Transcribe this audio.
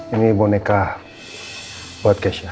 ini boneka buat kesha